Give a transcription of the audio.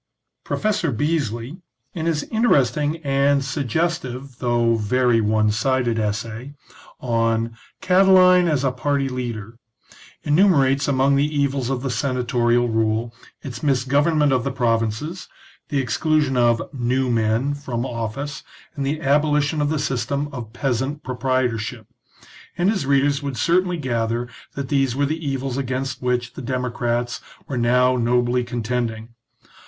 Professor Beesly, in his interesting and suggestive, though very one sided essay, on " Catiline as a Party Leader,"^ enumerates among the evils of the Senat orial rule, its misgovernment of the provinces, the ex clusion of " new men " from office, and the abolition of the system of peasant proprietorship ; and his readers would certainly gather that these were the evils against which the democrats were now nobly con tending.